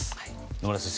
野村先生